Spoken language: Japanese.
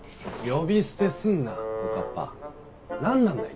呼び捨てすんなおかっぱ何なんだ？